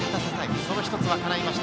その一つはかないました。